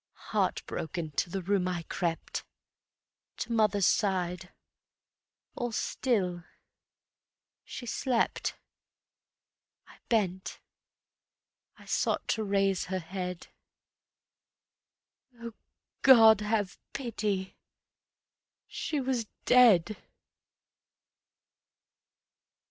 Heart broken to the room I crept, To mother's side. All still ... she slept ... I bent, I sought to raise her head ... "Oh, God, have pity!" she was dead.